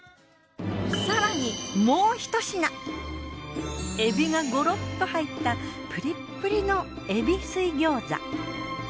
更にエビがゴロッと入ったプリップリの海老水餃子。